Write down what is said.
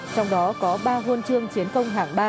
trong đó có ba huân chương chiến công hạng ba